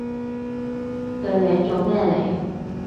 對你做咩嚟？